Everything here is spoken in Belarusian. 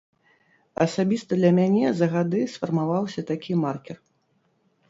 Асабіста для мяне за гады сфармаваўся такі маркер.